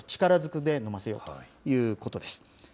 力ずくでのませようということです。